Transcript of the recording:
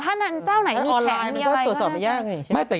ใช่บอกว่าถ้าเจ้าไหนมีแผนมันก็ตรวจสอบยากไหม